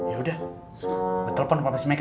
yaudah gue telepon ke papa si meka ya